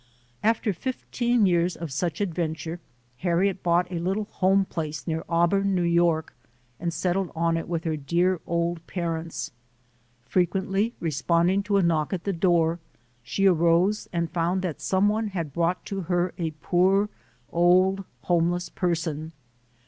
After fifteen years of such adventure, Harriet bought a little home place near Auburn, N. Y., and settled on it with her dear old parents. Fre quently responding to a knock at the door, she arose and found that some one had brought to her a poor, old, homeless person.